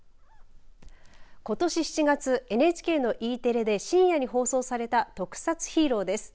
ことし７月、ＮＨＫのＥテレで深夜に放送された特撮ヒーローです。